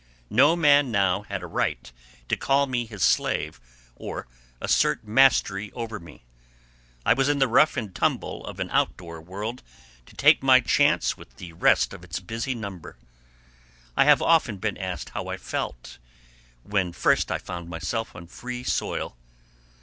No man now had a right to call me his slave or assert mastery over me. I was in the rough and tumble of an outdoor world, to take my chance with the rest of its busy number. I have often been asked how I felt when first I found myself on free soil.